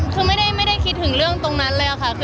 คือไม่ได้คิดถึงเรื่องตรงนั้นเลยค่ะ